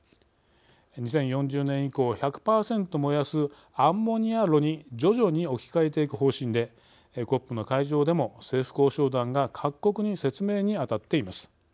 ２０４０年以降１００％燃やすアンモニア炉に徐々に置き換えていく方針でＣＯＰの会場でも政府交渉団が各国に説明にあたっています。